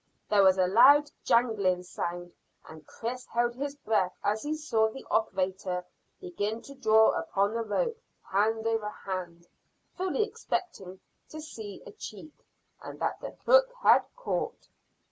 There was a loud jangling sound, and Chris held his breath as he saw the operator begin to draw upon the rope hand over hand, fully expecting to see a check, and that the hook had caught.